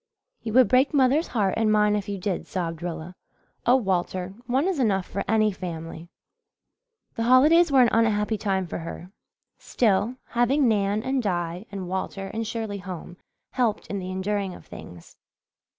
"You would break mother's heart and mine if you did," sobbed Rilla. "Oh, Walter, one is enough for any family." The holidays were an unhappy time for her. Still, having Nan and Di and Walter and Shirley home helped in the enduring of things.